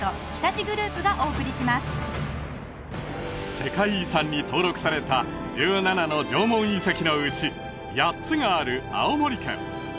世界遺産に登録された１７の縄文遺跡のうち８つがある青森県